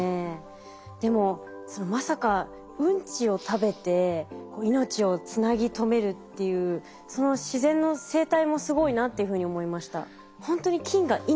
でもまさかウンチを食べて命をつなぎとめるっていうその自然の生態もすごいなっていうふうに思いました。